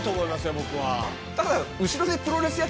僕は。